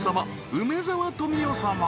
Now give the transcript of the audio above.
梅沢富美男様